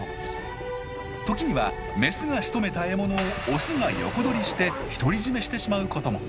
時にはメスがしとめた獲物をオスが横取りして独り占めしてしまうことも。